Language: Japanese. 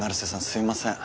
すいません